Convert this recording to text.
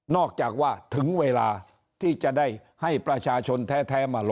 อกจากว่าถึงเวลาที่จะได้ให้ประชาชนแท้มารอ